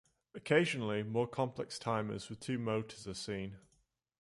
Occasionally more complex timers with two motors are seen.